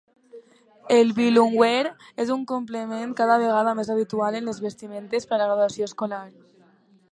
El "bilumware" és un complement cada vegada més habitual en les vestimentes per a la graduació escolar.